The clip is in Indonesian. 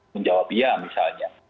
menjawab ya misalnya